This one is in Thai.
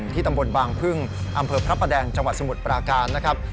ตำบลบางพึ่งอำเภอพระประแดงจังหวัดสมุทรปราการนะครับ